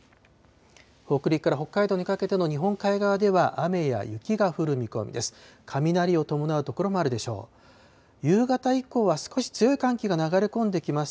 北陸から北海道にかけての日本海側では、雨や雪が降る見込みです。